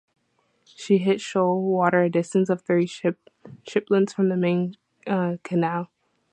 She hit shoal water a distance of three ship-lengths from the main channel.